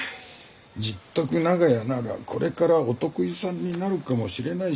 十徳長屋ならこれからお得意さんになるかもしれないし。